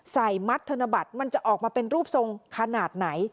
มัดธนบัตรมันจะออกมาเป็นรูปทรงขนาดไหน